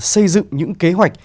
xây dựng những kế hoạch